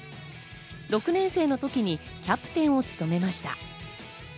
６年生の時にキャプテンを務めました。